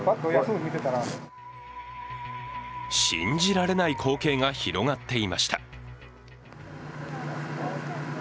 信じられない光景が広がっていました。